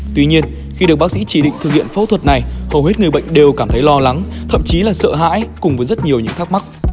tuy nhiên khi được bác sĩ chỉ định thực hiện phẫu thuật này hầu hết người bệnh đều cảm thấy lo lắng thậm chí là sợ hãi cùng với rất nhiều những thắc mắc